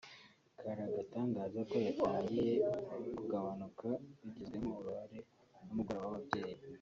karatangaza ko yatangiye kugabanuka bigizwemo uruhare n’umugoroba w’ababyeyi